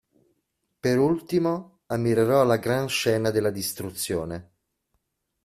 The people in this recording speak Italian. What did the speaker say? Per ultimo, ammirerò la gran scena della distruzione.